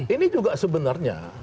ini juga sebenarnya